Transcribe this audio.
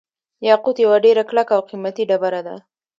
یاقوت یوه ډیره کلکه او قیمتي ډبره ده.